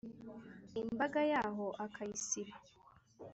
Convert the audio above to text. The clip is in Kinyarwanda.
imbaga ya ho akayisiba.